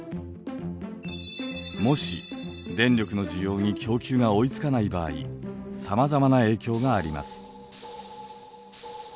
もし電力の需要に供給が追いつかない場合さまざまな影響があります。